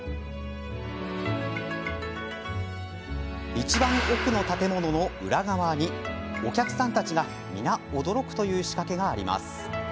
いちばん奥の建物の裏側にお客さんたちが驚くという仕掛けがあります。